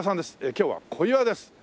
今日は小岩です。